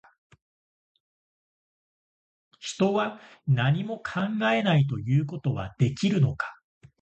人は、何も考えないということはできるのか